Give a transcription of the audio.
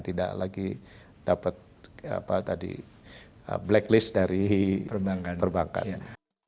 tidak lagi dapat blacklist dari perbankannya